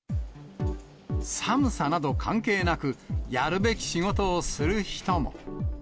寒さなど関係なく、やるべき仕事をする人も。